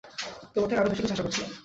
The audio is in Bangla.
তোমার থেকে আরো বেশি কিছু আশা করছিলাম।